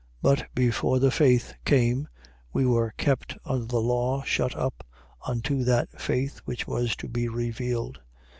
But before the faith came, we were kept under the law shut up, unto that faith which was to be revealed.